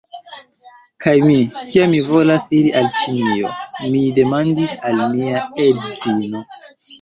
Kaj mi, kiam mi volas iri al Ĉinio, mi demandis al mia edzino: